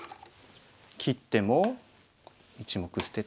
切っても１目捨てて。